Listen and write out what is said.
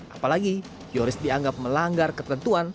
apalagi yoris dianggap melanggar ketentuan